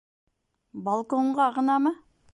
Балконға ғынамы?